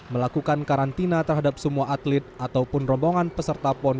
melakukan karantina terhadap semua atlet ataupun rombongan peserta pon